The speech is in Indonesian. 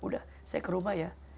udah saya ke rumah ya